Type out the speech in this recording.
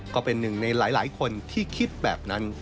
ก็เป็นหนึ่งในหลายคนที่คิดแบบนั้น